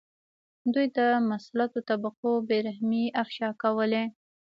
دوی د مسلطو طبقو بې رحمۍ افشا کولې.